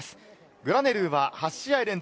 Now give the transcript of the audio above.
グラネルーは８試合連続